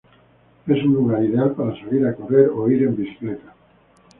Es un lugar ideal para salir a correr o ir en bicicleta.